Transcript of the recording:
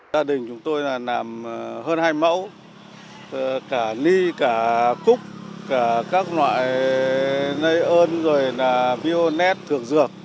gia đình chúng tôi làm hơn hai mẫu cả ly cả cúc cả các loại nơi ơn rồi là bionet thược dược